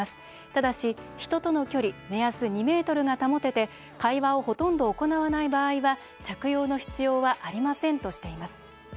ただし、人との距離目安２ｍが保てて会話をほとんど行わない場合は着用の必要はありませんとしています。